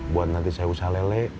buat nanti saya usaha lele